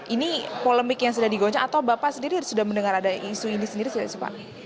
ini polemik yang sudah digoncang atau bapak sendiri sudah mendengar ada isu ini sendiri tidak sih pak